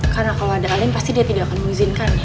karena kalau ada alim pasti dia tidak akan mengizinkannya